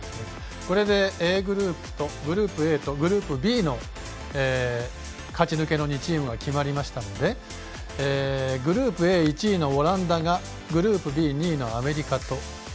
これでグループＡとグループＢの勝ちぬけの２チームが決まりましたのでグループＡ、１位のオランダがグループＢの２位のアメリカと。